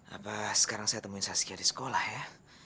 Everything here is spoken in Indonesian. apa sekarang saya temuin saskia di sekolah ya